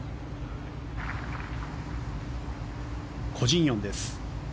コ・ジンヨンです。